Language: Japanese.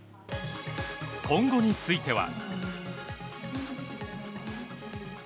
今後については。